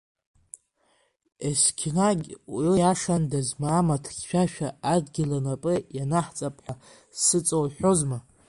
Есқьынагь уиашандаз амаҭ хьшәашәа Адгьыл анапы ианаҳҵап ҳәа сыҵоуҳәозма?